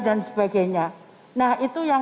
dan sebagainya nah itu yang